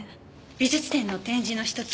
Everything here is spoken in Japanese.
美術展の展示の一つ